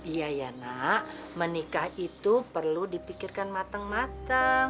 iya ya nak menikah itu perlu dipikirkan mateng mateng